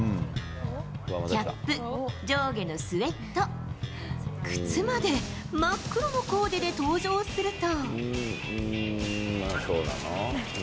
キャップ、上下のスウェット、靴まで、真っ黒のコーデで登場すると。